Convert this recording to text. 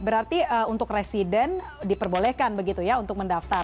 berarti untuk resident diperbolehkan begitu ya untuk mendaftar